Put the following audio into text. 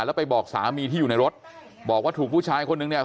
แล้วไปบอกสามีที่อยู่ในรถบอกว่าถูกผู้ชายคนนึงเนี่ย